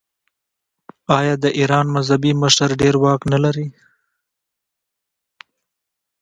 آیا د ایران مذهبي مشر ډیر واک نلري؟